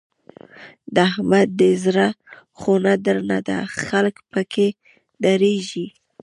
د احمد دی زړه خونه درنه ده؛ خلګ په کې ډارېږي.